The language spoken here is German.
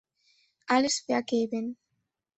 Alles vergeben!